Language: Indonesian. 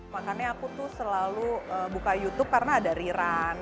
makanya aku tuh selalu buka youtube karena ada rerun